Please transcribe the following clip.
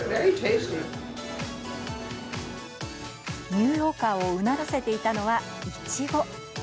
ニューヨーカーをうならせていたのはイチゴ。